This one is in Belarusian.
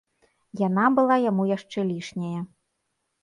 Яна была яму яшчэ лішняя.